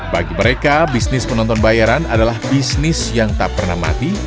bagi mereka bisnis penonton bayaran adalah bisnis yang tak pernah mati